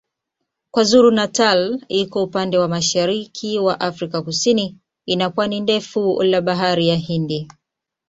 KwaZulu-Natal iko upande wa mashariki wa Afrika Kusini ina pwani ndefu la Bahari Hindi.